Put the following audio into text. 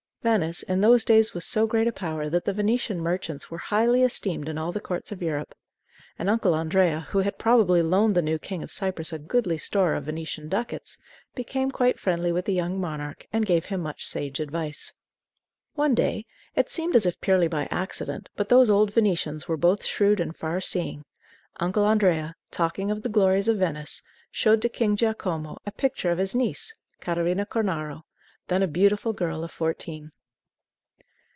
Venice, in those days was so great a power that the Venetian merchants were highly esteemed in all the courts of Europe. And Uncle Andrea, who had probably loaned the new king of Cyprus a goodly store of Venetian ducats, became quite, friendly with the young monarch, and gave him much sage advice. One day it seemed as if purely by accident, but those old Venetians were both shrewd and far seeing Uncle Andrea, talking of the glories of Venice, showed to King Giacomo a picture of his niece, Catarina Cornaro, then a beautiful girl of fourteen.